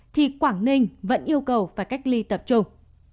thì quảng ninh vẫn yêu cầu phải cách ly tập trung